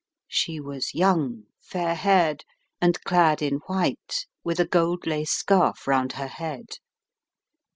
She was young, fair haired, and clad in white with a gold lace scarf round her head.